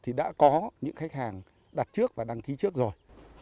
thì đã có những khách hàng đặt trước và đăng ký trước rồi